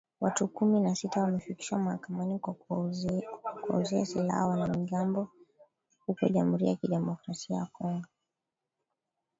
Watu kumi na sita wamefikishwa mahakamani kwa kuwauzia silaha wanamgambo huko Jamhuri ya Kidemokrasia ya Kongo